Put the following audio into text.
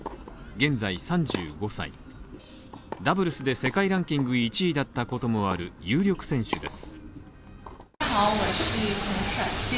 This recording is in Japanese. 現在３５歳、ダブルスで世界ランキング１位だったこともある有力選手です。